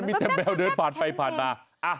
มีแต่แมวเดินผ่านไปผ่านมา